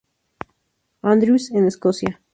Andrews, en Escocia.